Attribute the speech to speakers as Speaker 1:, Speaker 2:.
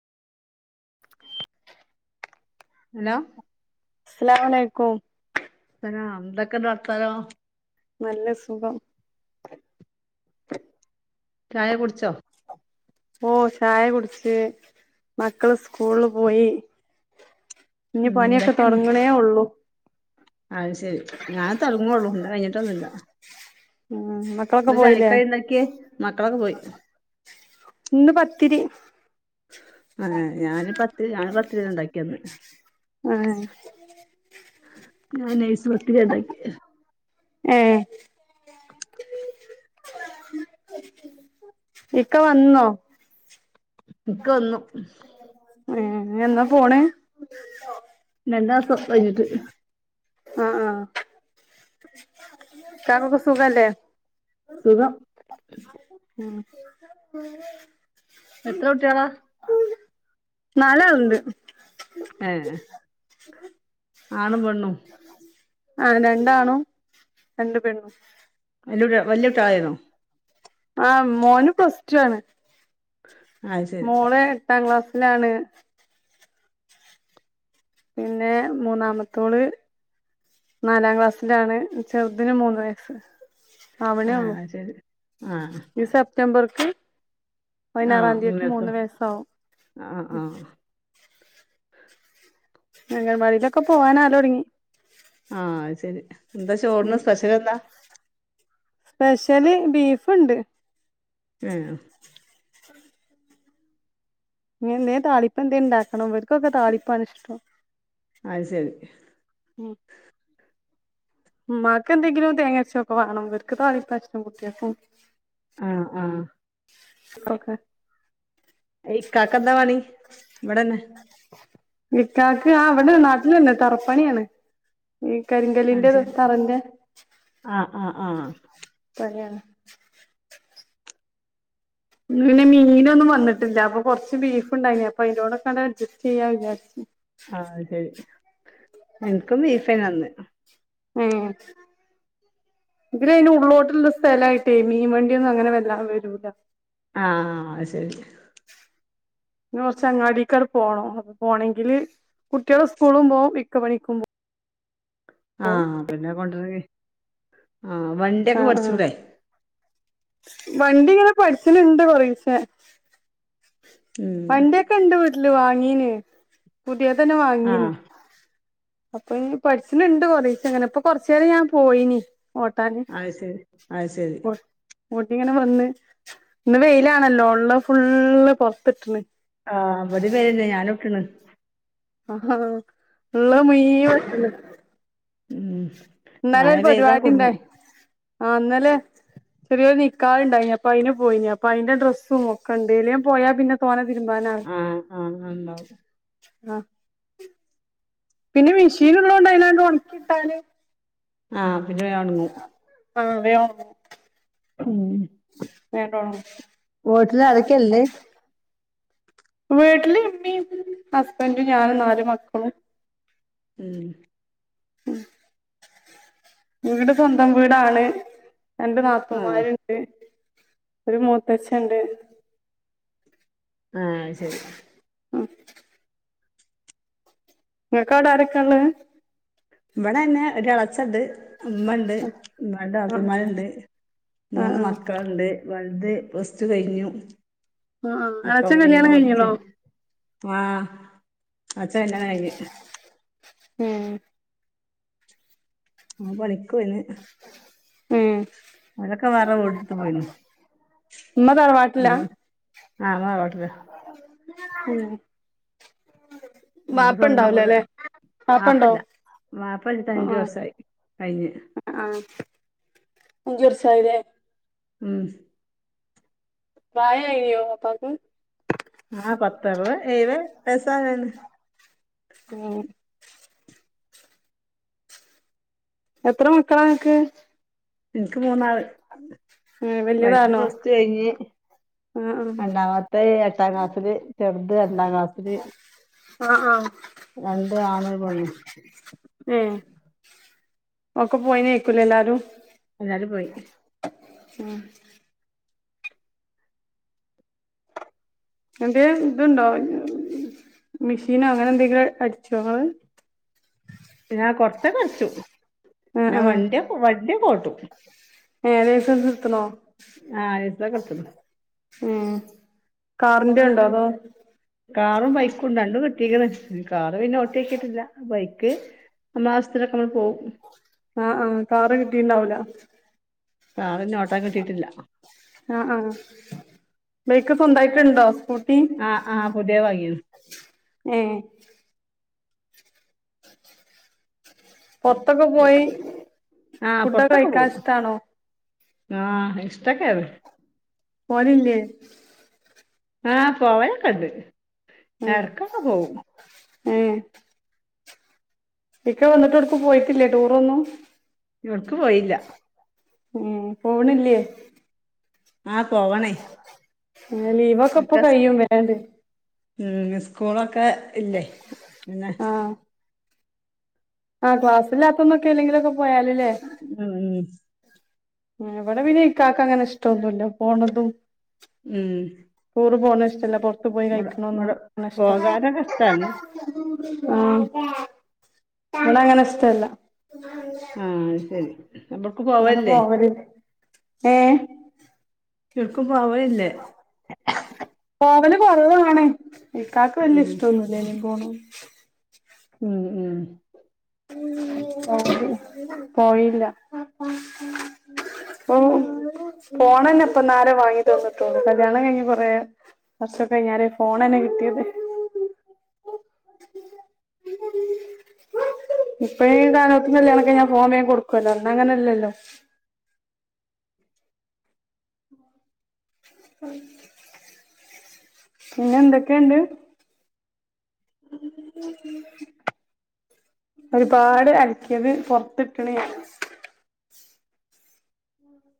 Speaker 1: [inaudible]
Speaker 2: Hello
Speaker 1: അസലാമുഅലയ്ക്കു
Speaker 2: അന എന്തൊക്കെണ്ട് വർത്താനം
Speaker 1: നല്ല സുഖം
Speaker 2: ചായ കുടിച്ചോ
Speaker 1: ഓ ചായ കുടിച്ച് മക്കള് സ്കൂളില് പോയി ഇനി
Speaker 2: ഉം
Speaker 1: പണിയൊക്കെ
Speaker 2: ഇടക്കന്നെ
Speaker 1: തൊടങ്ങണേ ഒള്ളൂ
Speaker 2: അത് ശരി ഞാൻ തൊടങ്ങുള്ളു കഴഞ്ഞിട്ടൊന്നുമില്ല
Speaker 1: ഉം മക്കളൊക്കെ
Speaker 2: എന്താ
Speaker 1: പോയില്ലേ
Speaker 2: ചായക്കടിക്ക്ണ്ടാക്കിയെ മക്കളൊക്കെ പോയി
Speaker 1: ഇന്ന് പത്തിരി
Speaker 2: ആ ഞാന് പത്ത് ഞാന് പത്തിരി ഉണ്ടാക്കിയന്ന്
Speaker 1: ആ
Speaker 2: ഞാൻ നൈസ് പത്തി ഉണ്ടാക്കി
Speaker 1: ഏ ഇക്ക വന്നോ
Speaker 2: ഇക്ക് വന്നു
Speaker 1: ഉം എന്നാ പോണ്
Speaker 2: രണ്ടുമാസം കഴിഞ്ഞിട്ട്
Speaker 1: ആഹ് ആഹ് ഇക്കാക്കൊക്കെ സുഖല്ലേ
Speaker 2: സുഖം
Speaker 1: ഉം [inaudible]
Speaker 2: എത്ര കൂട്ടിളാ
Speaker 1: നാലാള് ഇണ്ട്
Speaker 2: ആ ആണും പെണ്ണും
Speaker 1: ആ രണ്ടാണ്ണും രണ്ട് പെണ്ണും
Speaker 2: വല്ല്യയുട്ടെ വല്യട്ടായാന്നോ
Speaker 1: ആ മോന് പ്ലസ് ടു ആണ്
Speaker 2: അത് ശരി
Speaker 1: മോള് എട്ടാം ക്ലാസി ല്ലാണ് പിന്നെ മൂന്നാമെത്തോള് നാലാം ക്ലാസ്സിലാണ് ചെറുദിന് മൂന്ന് വയസ്സ് ആവണേ
Speaker 2: ആാ അശരി ആ
Speaker 1: സെറ്റംബർക്ക് പതിനാറാംതിക്ക് മൂന്ന്
Speaker 2: മൂന്നേസം
Speaker 1: വയസ് ആവും
Speaker 2: ആഹ് ആഹ്
Speaker 1: അംഗവാടിലൊക്കെ പോവാനല് തൊടങ്ങി
Speaker 2: ആാ ശെരി എന്താ ചോറിന്
Speaker 1: ഉം
Speaker 2: സ്പെഷ്യല് എന്താ
Speaker 1: സ്പെഷ്യല് ബീഫ് ണ്ട്
Speaker 2: യെ
Speaker 1: ഇനി എന്തേ താളിപ്പെയെന്തെ ഒണ്ടാക്കണം ഇവർക്കൊക്കെ താളിപ്പാണ് ഇഷ്ടം
Speaker 2: അത് ശെരി
Speaker 1: ഉം ഉമ്മാക്ക് എന്തെങ്കിലും തേങ്ങയാരച്ചെക്കെ വേണം ഇവർക്ക് താളിപ്പാ ഇഷ്ടം കുട്ടിയേക്കും
Speaker 2: ആാ ആാ
Speaker 1: [unintelligible]
Speaker 2: ഇക്കക്കാന്താ പണി ഇവടെന്നേ
Speaker 1: ഇക്കാക്ക് ആ ഇവടെ നാട്ടിലെന്നാ തറപ്പണിയാണ് ഈ കരിങ്കലിന്റെ [unintelligible]
Speaker 2: ആാ ആാ
Speaker 1: [unintelligible] പിന്നെ മീനൊന്നും വന്നിട്ടില്ല അപ്പം കൊറച്ച് ബീഫ്ണ്ടായിനി അപ്പം അതിന്റോടെക്കോ ങ്ങ് അഡ്ജസ്റ്റ് ചെയ്യാ വിചാരിച്ച്
Speaker 2: ആ അത് ശെരി എനിക്കും ബീഫന്നാ അന്ന്
Speaker 1: ഉം ഇതിലെ അയിന് ഉള്ളോട്ടുള്ള സ്ഥലായിട്ടേ മീൻവണ്ടിയൊന്നും അങ്ങനെ വെല്ലാതെ വരൂല്ല.
Speaker 2: ആ അത് ശെരി
Speaker 1: പിന്ന കൊറച്ച് അങ്ങാടിക്കാട് പോണം അത് പോണെങ്കില് കുട്ടികള് സ്കൂളിലും പോകും ഇക്ക പണിക്കും പോ
Speaker 2: ആ പിന്നെ [unintelligible] ആ വണ്ടിയൊക്കെ
Speaker 1: ആഹ് ആഹ്
Speaker 2: പഠിച്ചൂടെ
Speaker 1: വണ്ടി ഇങ്ങനെ പഠിച്ചിനിണ്ട് കൊറേശെ
Speaker 2: ഉം
Speaker 1: വണ്ടിക്കോണ്ടോ വീട്ടിലെ ല് വാങ്ങീന പുതിയ തന്നെ വാങ്ങീന്
Speaker 2: ആഹ്
Speaker 1: അപ്പൊ ഇ പഠിച്ചട്ട ഇണ്ട് കൊറേശ അങ്ങനെ ഇപ്പൊ കൊറച്ച നേേരം ഞാൻ പോയിന്
Speaker 2: അത് ശരി അ ശരി
Speaker 1: ഊട്ടി ഇങ്ങനെ വന്ന് ഇന്ന് വെയിലാണല്ലോ ഉള്ള ഫുള്ള് പൊ പറ്റുണ്
Speaker 2: ആഹ് ഇവിടേം പേരന്നെ ഞാനൊട്ടണ്
Speaker 1: ആ ഉള്ള മുഴുവൻ
Speaker 2: ഉം മഴ
Speaker 1: ഇന്നാലരു
Speaker 2: പെയ്താ
Speaker 1: പരിപാടി
Speaker 2: കുടുങ്ങും
Speaker 1: ഉണ്ടായി ആ്ന്നല്ലെ ചെറിയരു ന നിക്കാ ഉണ്ടായി അപ്പ അയിന് പോയി അപ്പ അയിന്റെ ഡ്രസ്സും ഒക്കെന്തേലും പോയാ പിന്നെ തോനെ തിരുമ്പാനായി
Speaker 2: ആഹ ആഹ ഉണ്ടാവും
Speaker 1: ആ പിന്നെ മെഷീൻ ഉള്ളോണ്ട അ ലാൻഡ് ഉണക്കി ഇട്ടാല്
Speaker 2: ആഹ് പിന്നെ വേ ഉണങ്ങും
Speaker 1: ആ വേ ഉണങ്ങും
Speaker 2: ഉം വോട്ടിൽ ആരൊക്കെയല്ലേ
Speaker 1: വീട്ടില് ഇമ്മീ ഹസ്ബൻറും ഞാനും നാാലും മക്കളും
Speaker 2: ഉം
Speaker 1: ഉ വീട് സ്വന്തം വീടാണ് രണ്ട്
Speaker 2: ആഹ്
Speaker 1: നാത്തൂമാരുണ്ട് ഒരു മൂത്തച്ചൻ ഉണ്ട്
Speaker 2: ആ ശരി
Speaker 1: ആ നിനക്കാട ആരക്കാണ്
Speaker 2: ഇവിടെന്നെ ഒരു ഇളച്ചണ്ട് ഉമ്മ ഉണ്ട് രണ്ട്
Speaker 1: ആഹ്
Speaker 2: നാത്തൂന്മാരുണ്ട്
Speaker 1: ആഹ്
Speaker 2: മൂന്ന്
Speaker 1: ആഹ്
Speaker 2: മക്കളുണ്ട് വലുത് പ്ലസ് ടു കഴിഞ്ഞു
Speaker 1: ആ ആ ഇളച്ഛൻ കല്യാണം കഴിഞ്ഞളോ
Speaker 2: ആ ഇളച്ചൻ കല്യാണം കഴിഞ്ഞ്
Speaker 1: ഉം
Speaker 2: ഓം പണിക്ക്
Speaker 1: ഉം
Speaker 2: പണിക്കൊനഅവരൊക്കെ വേറെ വീട് എടുത്തു പോയി
Speaker 1: ഉമ്മ
Speaker 2: ആ
Speaker 1: തറവാട്ടില
Speaker 2: ഉമ്മ തറവാട്ടില് െ
Speaker 1: ഉം
Speaker 2: നമ്മള്
Speaker 1: വാപ്പ
Speaker 2: സ്വന്തം വീട്
Speaker 1: ഉണ്ടാവൂലല്ലേ
Speaker 2: വാപ്പ
Speaker 1: വാപ്പണ്ടോ
Speaker 2: ഇല്ല വാപ്പ മരിച്ചിട്ട്
Speaker 1: ആഹ്
Speaker 2: അഞ്ചു വർഷം
Speaker 1: ആഹ്
Speaker 2: കഴിഞ്ഞ്
Speaker 1: ആഹ് അഞ്ച് വർഷായീലേ?
Speaker 2: ഉം
Speaker 1: പ്രായവായിയൊ വാപ്പാക്ക്
Speaker 2: ആ പത്തറുപത് എഴുപത് വയസ്സായാണ്
Speaker 1: ആ എത്ര മക്കളാ അനക്ക്?
Speaker 2: എനിക്ക് മൂന്നാള്
Speaker 1: ഏഹ്
Speaker 2: വലുത്
Speaker 1: വല്യതാണോ
Speaker 2: പ്ലസ്ടു കഴിഞ്ഞ്
Speaker 1: ആഹ് ആഹ്
Speaker 2: രണ്ടാമത്തെ എട്ടാം ക്ലാസില് ചെറുത് രണ്ടാം ക്ലാസ്സില്
Speaker 1: ആഹ് ആഹ്
Speaker 2: രണ്ട് ആണും ഒരു പെണ്ണും.
Speaker 1: ഒക്ക പോയിനേ ഏക്കൂലേ എല്ലാരും
Speaker 2: എല്ലാരും പോയി
Speaker 1: ഉം എന്ത് ഇതുണ്ടോ മെഷീനോ അങ്ങനെ എന്തെങ്കിലും അടിച്ചോ ഇങ്ങള്
Speaker 2: പിന്നെ കൊറച്ചൊക്കട്ച്ചും
Speaker 1: ആഹ്
Speaker 2: നാൻ
Speaker 1: ആഹ്
Speaker 2: വണ്ടി ഒക്കെ പട് വണ്ടി യൊക്കെ ഓട്ടും
Speaker 1: ഏഹ് ലൈസൻസ് ഇടത്ണോ
Speaker 2: [unintelligible] [unintelligible]
Speaker 1: ഉം കാറിന്റെ ഉണ്ടോ? അതോ
Speaker 2: കാറും ബൈക്കുണ്ട് രണ്ടും ട്ടിണ് കാറ് പിന്നെ ഓട്ടിയോ കിട്ടില്ല ബൈക്ക് ക്ക് നമ്മ ഔസ്യത്തിന് ഒക്കെ പോഉം
Speaker 1: ആ ആ കാറ് കിട്ടീണ്ടാവൂല
Speaker 2: ആ അതന്നെ ഓട്ടാൻ കിട്ടീട്ടില്ല
Speaker 1: ആ ആ ബൈക്ക് സ്വന്തായിട്ടുണ്ടോ?
Speaker 2: ആ ആ പുതിയെ വാങ്ങി
Speaker 1: ഏ പൊറത്തൊക്കെ പോയി ഫുഡൊക്കെ കഴിക്കാഷ്ട്ടാണോ [unintelligible]
Speaker 2: ആ എക്സ്ട്രാ കെയറ്
Speaker 1: പോവലില്ലേ?
Speaker 2: ആ പോവലൊക്കെ ഇണ്ട്. എടയ്ക്കൊക്കെ പോവും.
Speaker 1: ഏ ഇക്ക വന്നിട്ടെവിടുക്കും പോയിട്ടില്ലേ ടൂറൊന്നും?
Speaker 2: എവിടുക്കും പോയീല്ല.
Speaker 1: ഉം പോണില്ല്യേ?
Speaker 2: ആ പോവണേ
Speaker 1: ഏഹ് ലീവൊക്കെ ഇപ്പൊ
Speaker 2: ഒക്കെ സ്
Speaker 1: കഴിയും വേണ്ട്.
Speaker 2: ഉം സ്കൂളൊക്കെ ഇല്ലേ പിന്നെ
Speaker 1: ആ ക്ലാസ്ല്ലാത്തന്നെക്കെ എ ല്ലെങ്കിലക്കെ പോയാല്ല്ലേ
Speaker 2: ഉം ഉം
Speaker 1: എവിടെ പിന കക്ക് അങ്ങനെ ഇഷ്ടൊന്നുമല്ല പോണതും
Speaker 2: ഉം
Speaker 1: [unintelligible] ഷ്ടല പോറത്തു പോയി
Speaker 2: ഇവടെ
Speaker 1: കഴിക്കണന്നും
Speaker 2: ഇവടെ
Speaker 1: നഷ്ടം
Speaker 2: പോകാനൊക്കെ ഇഷ്ടാണ്
Speaker 1: ആഹ അവിടെ അങ്ങനെ ഇഷ്ടല്ല
Speaker 2: ആഹ അ ശരി അവിടക്ക്
Speaker 1: അങ്ങനെ
Speaker 2: പോവല്ലേ
Speaker 1: പോവലില്ല ഏ
Speaker 2: [unintelligible] ക്ക പോവല്ലേ
Speaker 1: പോവല് കൊറവാണ് ഇക്കാക്ക് വലിയ ഇഷ്ടൊന്നുലനി പോണ [inaudible]
Speaker 2: ഉം ഉം
Speaker 1: പോയില്ല അപ്പ ഫോൺന്നെ ഇപ്പൊന്നരെ വാങ്ങി തോന്നിട്ടോളു കല്യാണം കഴിഞ് കൊറെ വർഷൊക്കെ കഴിഞ്ഞാര ഫോൺ തന്നെ കിട്ടിയത് ഇപ്പ ഈ കാനത്തില്യാണക്ക ഞാൻ ഫോമ ൻ കൊടുക്കുവല്ലോ അ അങ്ങനെല്ലല്ലോ പിന്നെ എന്തൊക്കെയുണ്ട് ഒരുപാട് അലക്കിയത് പുറത്തിട്ടണ് ഞാന്